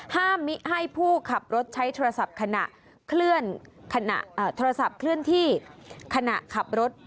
ห้ามให้ผู้ขับรถใช้โทรศัพท์เคลื่อนที่ขณะขับรถ